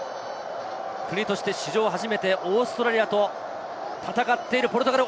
国として史上初めてオーストラリアと戦っているポルトガル。